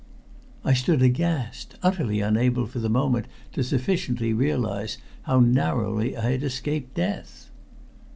I stood aghast, utterly unable for the moment to sufficiently realize how narrowly I had escaped death.